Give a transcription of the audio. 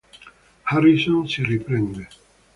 Harrison si riprende.